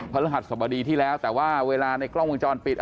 รหัสสบดีที่แล้วแต่ว่าเวลาในกล้องวงจรปิด